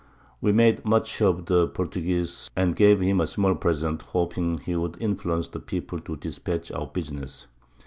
We made much of the Portuguese, and gave him a small Present, hoping he would influence the People to dispatch our Business.